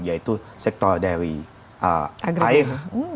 yaitu sektor dari air